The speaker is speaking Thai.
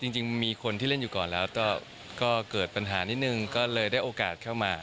จริงมีคนที่เล่นอยู่ก่อนแล้วก็เกิดปัญหานิดนึงก็เลยได้โอกาสเข้ามา